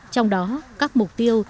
trong đó các mục tiêu